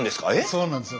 そうなんです。